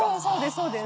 そうです。